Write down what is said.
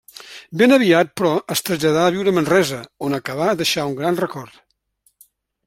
Ben aviat, però, es traslladà a viure a Manresa, on acabà deixant un gran record.